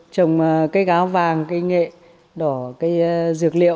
trồng cây gáo vàng cây nghệ đỏ cây dược liệu